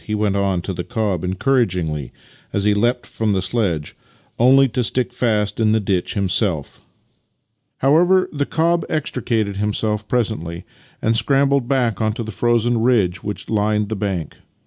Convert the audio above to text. " he went on to the cob encouragingly as he leapt from the sledge — only to stick fast in the ditch himself. However, the cob extricated himself presently, and scrambled back onto the frozen ridge which lined the bank.